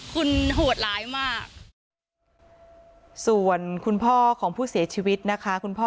คุณโหดร้ายมากส่วนคุณพ่อของผู้เสียชีวิตนะคะคุณพ่อ